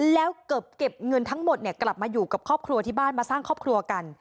แล้วเกือบเก็บเงินทั้งหมดกลับมาอยู่กับครอบครัวที่บ้านมาสร้างครอบครัวกัน